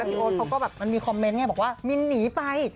พี่โอ๊ตเขาก็แบบมันมีคอมเมนต์ไงบอกว่ามินหนีไป